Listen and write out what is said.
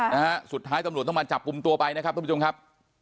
นะฮะสุดท้ายสำหรับจับกลุ่มตัวไปนะครับทุกผู้ชมครับ